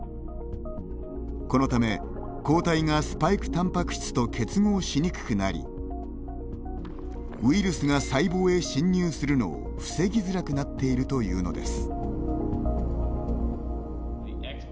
このため、抗体がスパイクタンパク質と結合しにくくなりウイルスが細胞へ侵入するのを防ぎづらくなっているというのです。